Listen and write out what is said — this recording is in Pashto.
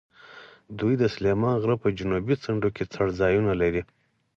دوی د سلیمان غره په جنوبي څنډو کې څړځایونه لري.